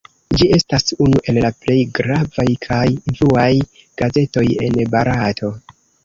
Ĝi estas unu el la plej gravaj kaj influaj gazetoj en Barato.